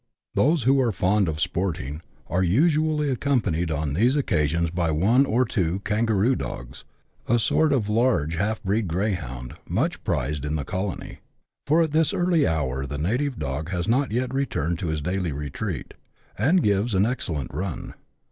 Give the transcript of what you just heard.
Those who are fond of sporting are usually accompanied on these occasions by one or two kangaroo dogs (a sort of large half bred greyhound, much prized in the colony), for at this early hour the native dog has not yet returned to his daily re treat, and gives an excellent run.